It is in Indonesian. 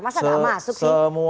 masa gak masuk sih